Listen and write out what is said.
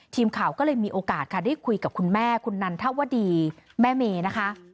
ทีมข่าวก็เลยมีโอกาสค่ะได้คุยกับคุณแม่คุณนันทวดีแม่เมนะคะ